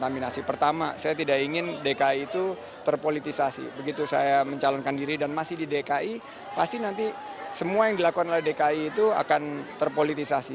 begitu saya mencalonkan diri dan masih di dki pasti nanti semua yang dilakukan oleh dki itu akan terpolitisasi